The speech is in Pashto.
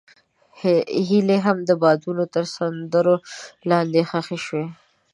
هیلې مې د بادونو تر سندرو لاندې ښخې شوې.